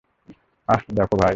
আহ, দেখো, ভাই।